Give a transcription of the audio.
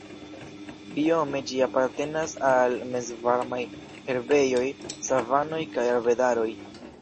Biome ĝi apartenas al Mezvarmaj herbejoj, savanoj kaj arbedaroj.